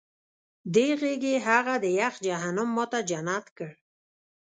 دې غېږې هغه د یخ جهنم ما ته جنت کړ